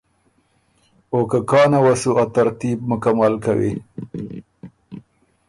او که کانه وه سُو ا ترتیب مکمل کوی۔